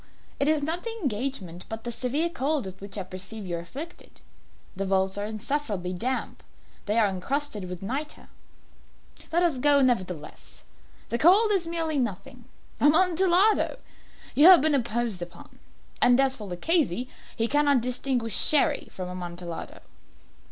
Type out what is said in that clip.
It is not the engagement, but the severe cold with which I perceive you are afflicted. The vaults are insufferably damp. They are encrusted with nitre." "Let us go, nevertheless. The cold is merely nothing. Amontillado! You have been imposed upon. And as for Luchesi, he cannot distinguish Sherry from Amontillado."